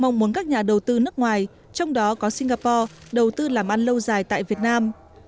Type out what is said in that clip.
mong muốn các nhà đầu tư nước ngoài trong đó có singapore đầu tư làm ăn lâu dài tại việt nam